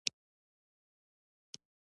د يوسفزو پۀ رياستونو هم تحقيقي کار پېل کړی وو